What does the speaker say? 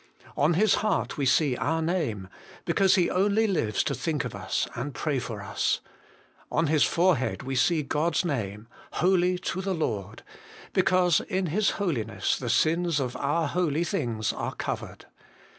On His heart we see our name, because He only lives to think of us, and pray for us. On His forehead we see God's name, 'Holy to the Lord,' because in His Holiness the sins of our holy things are covered.